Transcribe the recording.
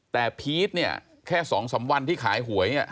แต่พีทแค่สองสำวัญที่ขายหวย